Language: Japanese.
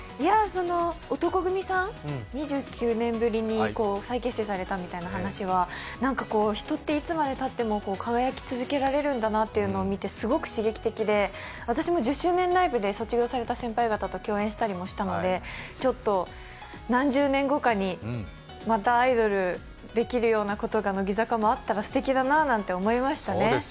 男闘呼組さん、２９年ぶりに再結成されたみたいな話は人っていつまでたっても輝き続けられるんだなと思ってすごく刺激的で、私も１０周年ライブで卒業された先輩方と共演したりもしたのでちょっと何十年後かに、またアイドルができるようなことが乃木坂もあったらすてきだなと思いましたね。